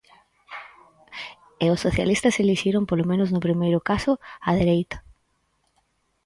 E os socialistas elixiron, polo menos no primeiro caso, a dereita.